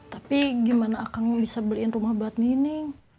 tapi gimana akang bisa beliin rumah buat nini